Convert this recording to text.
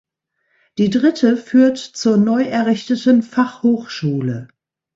Die dritte führt zur neu errichteten Fachhochschule.